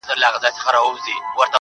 يو يمه خو_